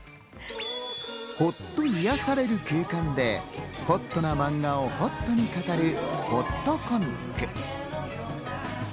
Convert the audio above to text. ほっと癒やされる空間でほっとなマンガをほっとに語る、ほっとコミック。